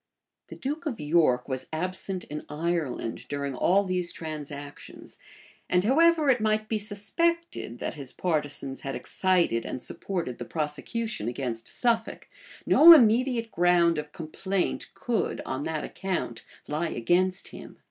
The duke of York was absent in Ireland during all these transactions and however it might be suspected that his partisans had excited and supported the prosecution against Suffolk, no immediate ground of complaint could, on that account, lie against him.